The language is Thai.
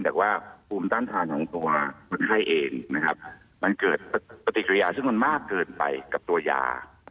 แต่ว่าภูมิต้านทานของตัวคนไข้เองนะครับมันเกิดปฏิกิริยาซึ่งมันมากเกินไปกับตัวยา